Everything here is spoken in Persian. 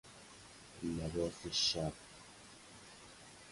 لباس شب